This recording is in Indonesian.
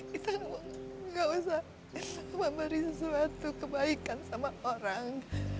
kita gak usah memberi sesuatu kebaikan sama orang